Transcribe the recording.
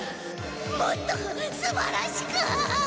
もっとすばらしく！